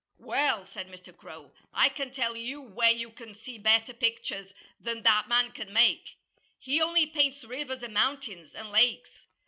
"Well!" said Mr. Crow. "I can tell you where you can see better pictures than that man can make. He only paints rivers and mountains, and lakes.